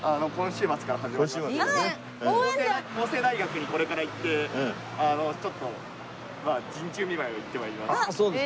法政大学にこれから行ってちょっと陣中見舞いを行って参ります。